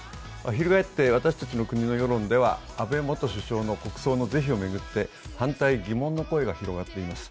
翻って私たちの国の世論では安倍元首相の国葬の是非を巡って反対・疑問の声が広がっています。